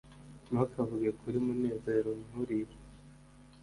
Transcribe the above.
ntukavuge kuri munezero nkuriya